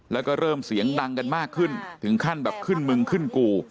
แล้วก็เริ่มเสียงดังกันมากขึ้นถึงขั้นแบบขึ้นมึงขึ้นกู